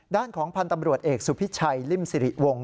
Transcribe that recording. ด้านของพันธ์ตำรวจเอกสุพิชัยริมสิริวงศ